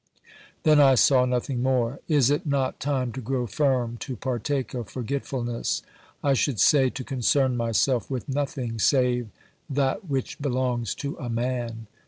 Then I saw nothing more. Is it not time to grow firm, to partake of forgetfulness ? I should say, to concern myself with nothing save ... that which belongs to a man